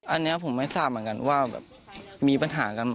อันนี้ผมไม่ทราบเหมือนกันว่าแบบมีปัญหากัน